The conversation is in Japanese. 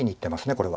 これは。